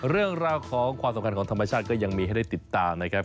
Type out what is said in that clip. เรื่องราวของความสำคัญของธรรมชาติก็ยังมีให้ได้ติดตามนะครับ